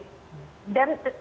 dan kelima sertifikatnya adalah